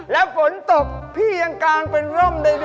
แล้วผลตบพี่ยังกางเป็นร่มได้ด้วย